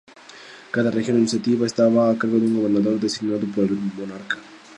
Cada región administrativa estaba a cargo de un gobernador designado por el monarca.